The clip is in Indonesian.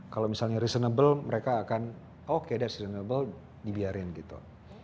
kalau misalnya reasonable mereka akan oke that's reasonable dibiarin gitu